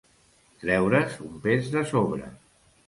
Treure's un pes de sobre.